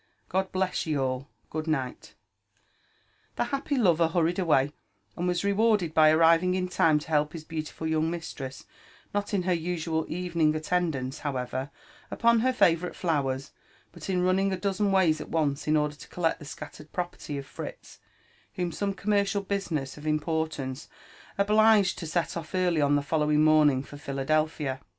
God bless ye all I Good night." The happy lover hurried away, and was rewarded by arrfving in time to help his beautiful young mistress — not in her usual evening attendance, however, upon her favourite flowers, but in running a dozen ways at once, in order to collect the scattered properly of Fritz, whom some commercial business of importance obliged to set off early on the following morning for Philadelphia.